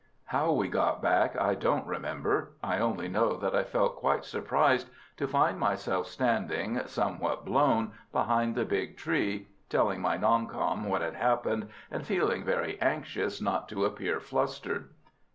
How we got back I don't remember; I only know that I felt quite surprised to find myself standing, somewhat blown, behind the big tree, telling my "non com" what had happened, and feeling very anxious not to appear flustered.